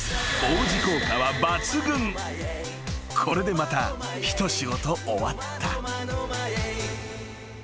［これでまた一仕事終わった］